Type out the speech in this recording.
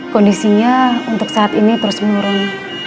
kondisinya untuk saat ini terus menurun